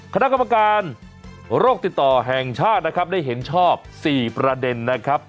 คณะกรรมการโรคติดต่อแห่งชาตินะครับได้เห็นชอบ๔ประเด็นนะครับ